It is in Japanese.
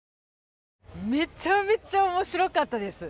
めちゃめちゃ面白かったです。